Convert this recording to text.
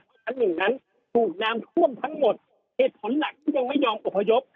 ชั้นหนึ่งนั้นถูกน้ำท่วมทั้งหมดเหตุผลหลักที่ยังไม่ยอมอบพยพ